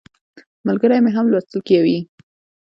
ملګری مې هم لوستل کوي.